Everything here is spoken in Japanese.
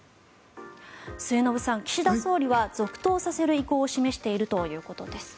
末延さん、岸田総理は続投させる意向を示しているということです。